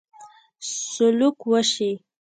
سلوک وشي.